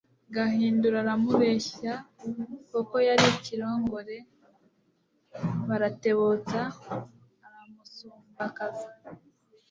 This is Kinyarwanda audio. Gahindiro Aramureshya kuko yari ikirongore baratebutsa aramusumbakaza